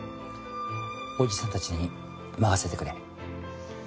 おじさんたちに任せてくれ。